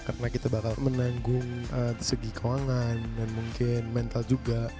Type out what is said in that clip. karena kita bakal menanggung segi keuangan dan mungkin mental juga